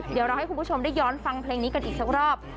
เดี๋ยวเราให้คุณผู้ชมได้ย้อนฟังเพลงนี้กันอีกสักรอบ